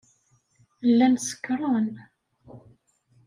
Llan sekṛen.